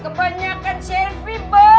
kebanyakan selfie bos